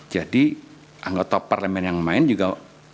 jadi anggota parlimen yang main juga